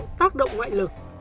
hoạt động ngoại lực